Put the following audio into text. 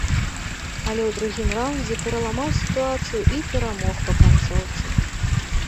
Але ў другім раўндзе пераламаў сітуацыю і перамог па канцоўцы.